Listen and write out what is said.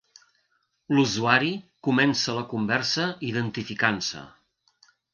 L'usuari comença la conversa identificant-se.